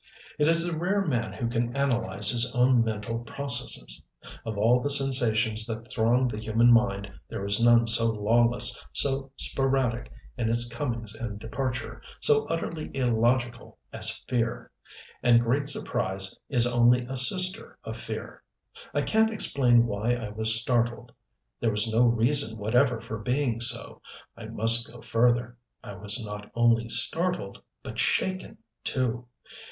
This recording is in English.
It is the rare man who can analyze his own mental processes. Of all the sensations that throng the human mind there is none so lawless, so sporadic in its comings and departure, so utterly illogical as fear and great surprise is only a sister of fear. I can't explain why I was startled. There was no reason whatever for being so. I must go further I was not only startled, but shaken too.